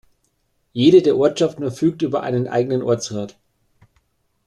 Jede der Ortschaften verfügt über einen eigenen Ortsrat.